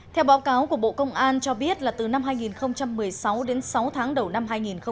theo báo cáo của bộ công an cho biết là từ năm hai nghìn một mươi sáu đến sáu tháng đầu năm hai nghìn một mươi chín